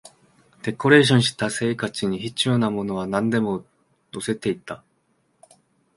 デコレーションした、生活に必要なものはなんでも乗せていった